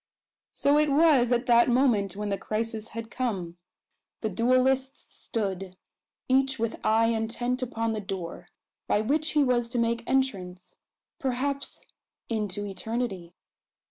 So it was at that moment when the crisis had come. The duellists stood, each with eye intent upon the door, by which he was to make entrance perhaps into eternity!